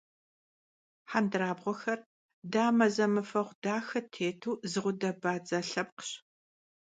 Hendırabğuexer dame zemıfeğu daxe têtu zı ğude - badze lhepkhş.